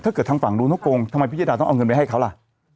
ถ้าเกิดทางฝั่งดูโน้ตโกงทำไมพิจารณาต้องเอาเงินไปให้เขาล่ะ